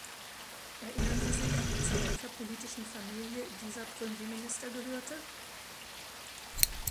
Erinnern Sie sich, zu welcher politischen Familie dieser Premierminister gehörte?